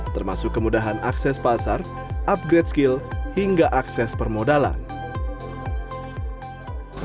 termasuk kemudahan akses pasar upgrade skill hingga akses permodalan